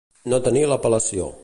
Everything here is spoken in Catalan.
No tenir l'apel·lació.